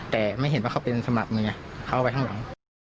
แต่ไม่เห็นว่าเขาเป็นสมัครมือไงเขาเอาไปข้างหลัง